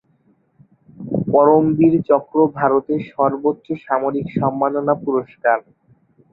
পরমবীর চক্র ভারতের সর্বোচ্চ সামরিক সম্মাননা পুরস্কার।